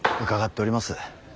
伺っております。